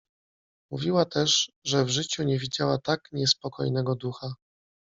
Mówiła też, że w życiu nie widziała tak niespokojnego ducha.